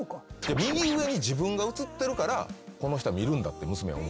右上に自分が映ってるからこの人は見るんだって娘は。